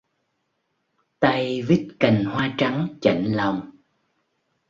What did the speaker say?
Tay vít cành hoa trắng chạnh lòng